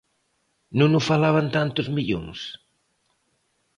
Non o falaban tantos millóns?